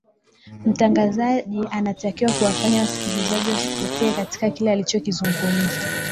mtangazaji anatakiwa kuwafanya wasikilizaji wasipotee katika kile alichokizungumza